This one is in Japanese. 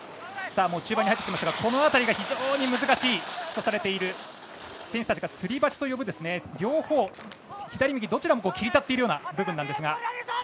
中盤、この辺りが非常に難しいとされている選手たちがすり鉢と呼ぶ両方、左右のどちらも切り立っているような部分です。